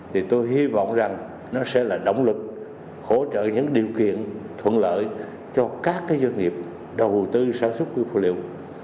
thì tôi hy vọng rằng nó sẽ là động lực hỗ trợ những điều kiện thuận lợi cho các doanh nghiệp đầu tư sản xuất nguyên phụ liệu